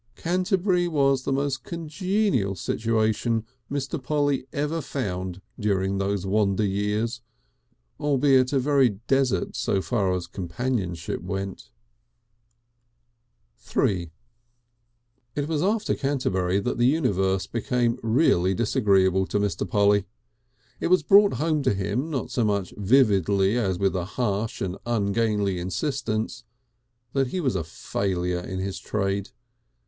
Canterbury was the most congenial situation Mr. Polly ever found during these wander years, albeit a very desert so far as companionship went. III It was after Canterbury that the universe became really disagreeable to Mr. Polly. It was brought home to him, not so much vividly as with a harsh and ungainly insistence, that he was a failure in his trade.